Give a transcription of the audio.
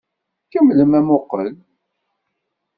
Kemmlem amuqqel!